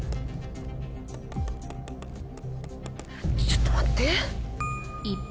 ちょっと待って。